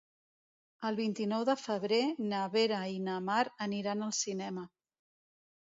El vint-i-nou de febrer na Vera i na Mar aniran al cinema.